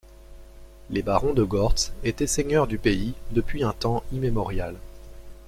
Les barons de Gortz étaient seigneurs du pays depuis un temps immémorial.